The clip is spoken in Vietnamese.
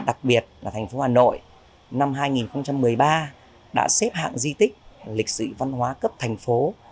đặc biệt là thành phố hà nội năm hai nghìn một mươi ba đã xếp hạng di tích lịch sử văn hóa cấp thành phố